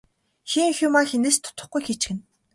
Хийх юмаа хэнээс ч дутахгүй хийчихнэ.